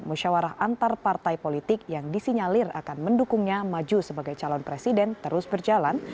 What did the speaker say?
musyawarah antar partai politik yang disinyalir akan mendukungnya maju sebagai calon presiden terus berjalan